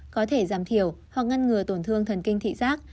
có thể giảm thiểu hoặc ngăn ngừa tổn thương thần kinh thị giác